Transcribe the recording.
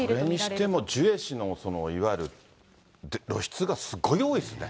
それにしてもジュエ氏の、そのいわゆる露出がすごい多いですね。